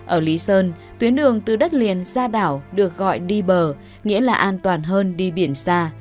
ở lý sơn tuyến đường từ đất liền ra đảo được gọi đi bờ nghĩa là an toàn hơn đi biển xa